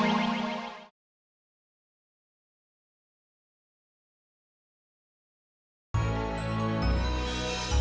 jangan lupa like share dan subscribe ya